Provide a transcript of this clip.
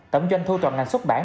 tổng doanh thu toàn ngành xuất bản